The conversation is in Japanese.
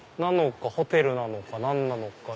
ホテルなのか何なのか。